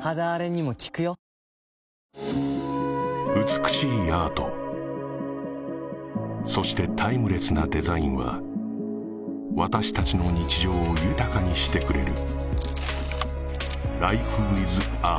美しいアートそしてタイムレスなデザインは私達の日常を豊かにしてくれる